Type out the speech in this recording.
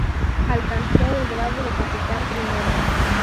Alcanzó el grado de Capitán Primero.